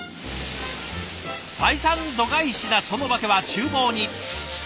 採算度外視なその訳はちゅう房に。